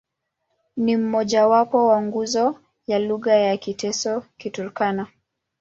Ni mmojawapo wa nguzo ya lugha za Kiteso-Kiturkana.